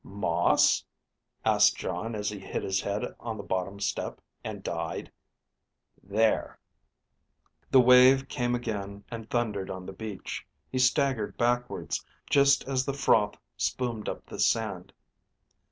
_ Moss? asked Jon as he hit his head on the bottom step and died. There.... The wave came again and thundered on the beach. He staggered backwards, just as the froth spumed up the sand.